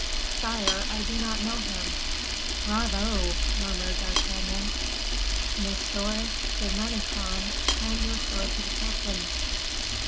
"Sire, I do not know him." "Bravo!" murmured D'Artagnan. "Monsieur de Manicamp, hand your sword to the captain."